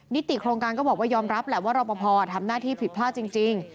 ติโครงการก็บอกว่ายอมรับแหละว่ารอปภทำหน้าที่ผิดพลาดจริง